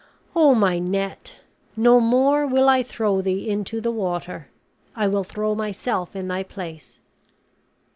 Oh, my net! no more will I throw thee into the water; I will throw myself in thy place."